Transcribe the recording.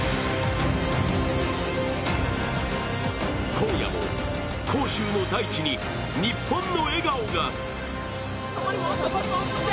今夜も杭州の大地に日本の笑顔が。